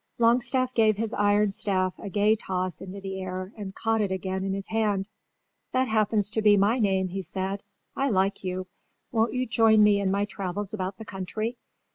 Longstaff gave his iron staff a gay toss into the air and caught it again in his hand. "That happens to be my name," he said. "I like you. Won't you join me in my travels about the country?